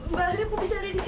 mbak halim aku bisa ada di sini